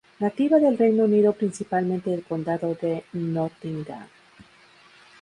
Nativa del Reino Unido principalmente del condado de Nottingham.